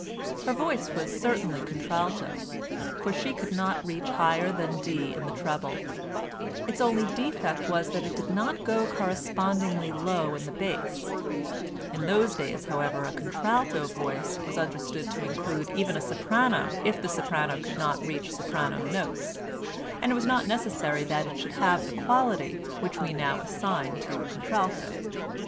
Her voice was certainly contralto, for she could not reach higher than D in the treble; its only defect was that it did not go correspondingly low in the bass: in those days, however, a contralto voice was understood to include even a soprano if the soprano could not reach soprano notes, and it was not necessary that it should have the quality which we now assign to contralto.